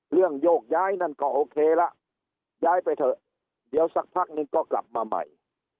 โยกย้ายนั่นก็โอเคละย้ายไปเถอะเดี๋ยวสักพักนึงก็กลับมาใหม่